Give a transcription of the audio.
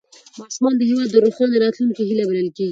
ماشومان د هېواد د روښانه راتلونکي هیله بلل کېږي